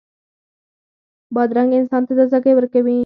بادرنګ انسان ته تازهګۍ ورکوي.